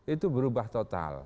itu berubah total